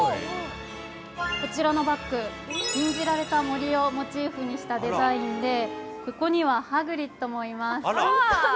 こちらのバッグ、禁じられた森をモチーフにしたデザインで、ここにはハグリッドもいます。